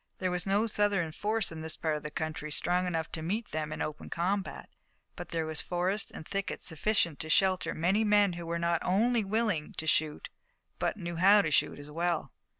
There was no Southern force in this part of the country strong enough to meet them in open combat, but there was forest and thicket sufficient to shelter many men who were not only willing to shoot, but who knew how to shoot well.